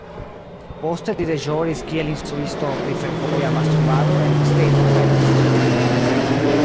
Poste li deĵoris kiel instruisto pri fervoja mastrumado en Dresdeno kaj la distrikto.